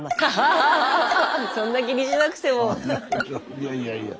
いやいやいや。